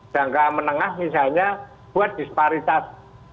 jangka menengah misalnya buat disparitas